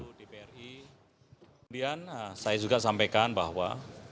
kemudian saya juga sampaikan bahwa